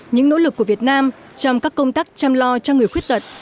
những nỗ lực của việt nam trong các công tác chăm lo cho người khuyết tật